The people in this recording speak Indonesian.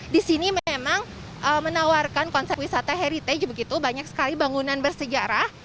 di sini memang menawarkan konsep wisata heritage begitu banyak sekali bangunan bersejarah